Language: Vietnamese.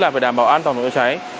tập trung đảm bảo an toàn của vệ cháy